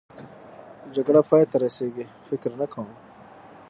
جګړه پای ته رسېږي؟ فکر نه کوم.